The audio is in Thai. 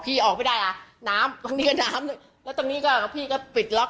ออกไม่ได้อ่ะน้ำตรงนี้ก็น้ำแล้วตรงนี้ก็พี่ก็ปิดล็อก